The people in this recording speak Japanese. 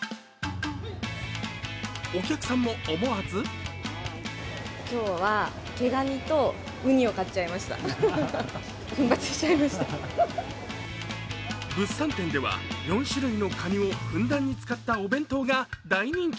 お客さんも思わず物産展では４種類のかにをふんだんに使ったお弁当が大人気。